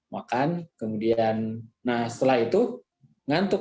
makan kemudian nah setelah itu ngantuk